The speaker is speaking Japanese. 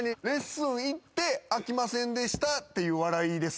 っていう笑いです